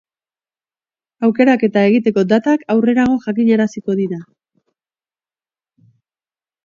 Aukeraketa egiteko datak aurrerago jakinaraziko dira.